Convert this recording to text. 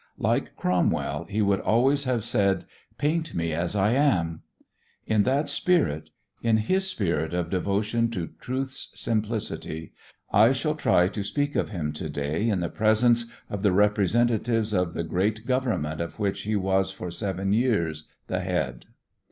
Like Cromwell, he would always have said: "Paint me as I am." In that spirit, in his spirit of devotion to truth's simplicity, I shall try to speak of him to day in the presence of the representatives of the great Government of which he was for seven years the head.